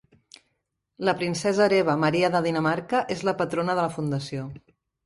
La princesa hereva Maria de Dinamarca és la patrona de la fundació.